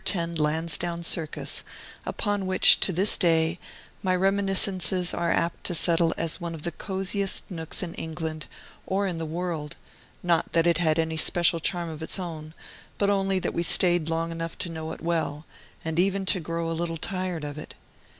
10, Lansdowne Circus upon which, to this day, my reminiscences are apt to settle as one of the coziest nooks in England or in the world; not that it had any special charm of its own, but only that we stayed long enough to know it well, and even to grow a little tired of it.